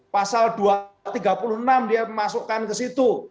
pasal dua ratus tiga puluh enam dia memasukkan ke situ